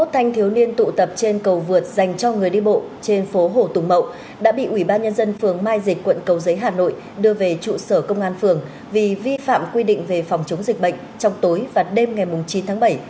sáu mươi thanh thiếu niên tụ tập trên cầu vượt dành cho người đi bộ trên phố hồ tùng mậu đã bị ủy ban nhân dân phường mai dịch quận cầu giấy hà nội đưa về trụ sở công an phường vì vi phạm quy định về phòng chống dịch bệnh trong tối và đêm ngày chín tháng bảy